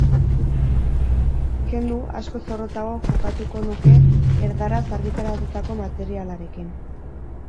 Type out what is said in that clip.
Kendu, askoz zorrotzago jokatuko nuke erdaraz argitaratutako materialarekin.